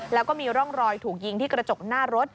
แล้วก็มีร่องรอยถูกยิงที่กระจกหน้ารถ